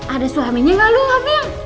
ada suaminya gak lo hamil